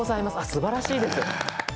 すばらしいです。